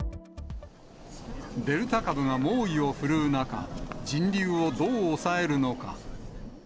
デルタ株が猛威を振るう中、人流をどう抑えるのか。